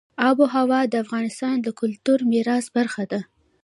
آب وهوا د افغانستان د کلتوري میراث برخه ده.